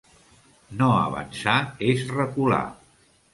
No avançar és recular.